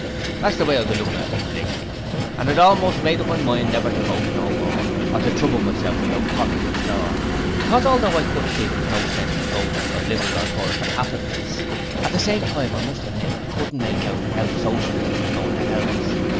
'That's the way I've been lookin' at things lately, and I'd almost made up my mind never to vote no more, or to trouble myself about politics at all, because although I could see there was no sense in voting for Liberal or Tory capitalists, at the same time I must admit I couldn't make out how Socialism was going to help us.